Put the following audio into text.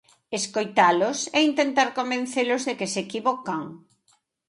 Escoitalos e intentar convencelos de que se equivocan.